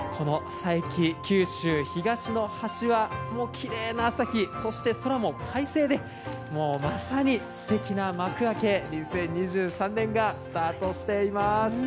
九州東の端はきれいな朝日、空も快晴でまさにすてきな幕開け、２０２３年がスタートしています。